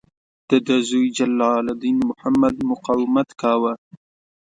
د ده زوی جلال الدین محمد مقاومت کاوه.